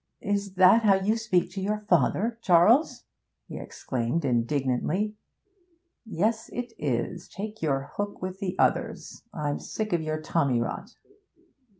'Is that how you speak to your father, Charles?' he exclaimed indignantly. 'Yes, it is. Take your hook with the others; I'm sick of your tommy rot!'